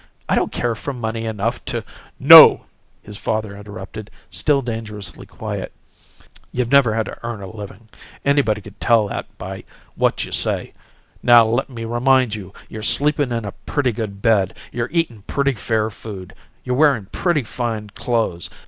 I don't care for money enough to " "No," his father interrupted, still dangerously quiet. "You've never had to earn a living. Anybody could tell that by what you say. Now, let me remind you: you're sleepin' in a pretty good bed; you're eatin' pretty fair food; you're wearin' pretty fine clothes.